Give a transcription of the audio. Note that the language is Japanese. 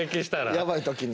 やばい時に。